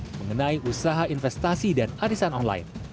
mengenai usaha investasi dan arisan online